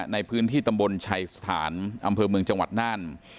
ในพื้นที่ตำบลชัยสถานอำเภอเมืองจังหวัดน่าน